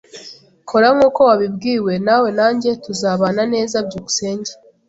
Kora nkuko wabibwiwe nawe nanjye tuzabana neza. byukusenge